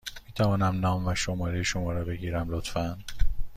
می توانم نام و شماره شما را بگیرم، لطفا؟